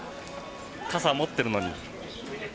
傘、持ってるのに。